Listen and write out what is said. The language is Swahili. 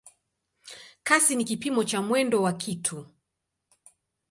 Kasi ni kipimo cha mwendo wa kitu.